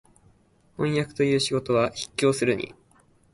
飜訳という仕事は畢竟するに、